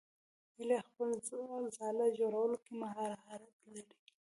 هیلۍ د خپل ځاله جوړولو کې مهارت لري